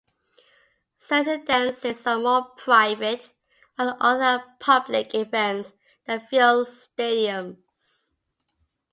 Certain dances are more private while other are public events that fill stadiums.